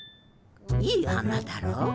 いいあなだろ？